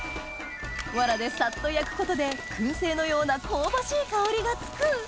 わらでサッと焼くことで燻製のような香ばしい香りがつく！